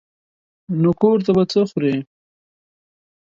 نو کور ته به څه خورې.